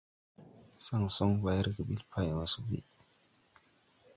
Saŋ soŋ bay rege ɓil pay wa so buy.